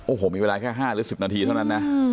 โอ้โหมีเวลาแค่๕นาทีหรือ๑๐นาทีเหรอก็อะ